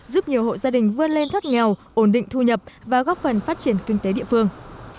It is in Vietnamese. giúp nhiều hộ gia đình vươn lên thoát nghèo ổn định thu nhập và góp phần phát triển kinh tế địa phương